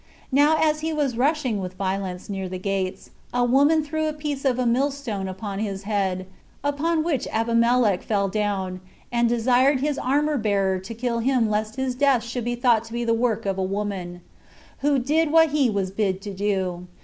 Now as he was rushing with violence near the gates, a woman threw a piece of a millstone upon his head, upon which Abimelech fell down, and desired his armor bearer to kill him lest his death should be thought to be the work of a woman:who did what he was bid to do.